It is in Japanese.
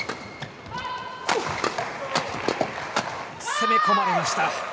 攻め込まれました。